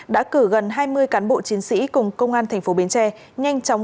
đã cử gần hai mươi cán bộ chiến sĩ cùng công an tp bến tre nhanh chóng có mặt tại hiện trường